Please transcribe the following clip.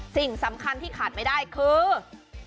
สิ่งสำคัญที่ขาดไม่ได้คือ